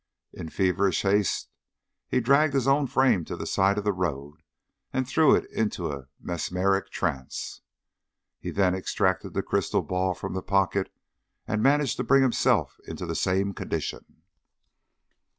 In feverish haste he dragged his own frame to the side of the road and threw it into a mesmeric trance; he then extracted the crystal ball from the pocket, and managed to bring himself into the same condition.